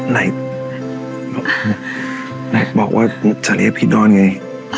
ไหนบอกว่าจะเรียบขี้ดอนไง